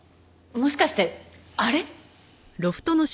もしかしてあれ？